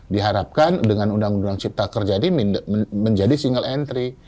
diharapkan dengan undang undang cipta kerja ini menjadi single entry